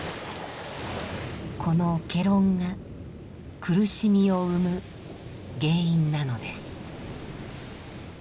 この戯論が苦しみを生む原因なのです。